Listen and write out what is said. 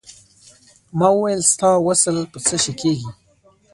ما وویل ستا وصل په څه شی کېږي.